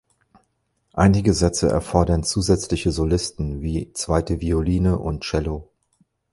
Einige Sätze erfordern zusätzliche Solisten (wie zweite Violine und Cello).